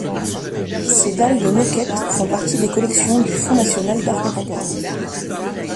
Ses dalles de moquettes font partie des collections du Fonds national d'art contemporain.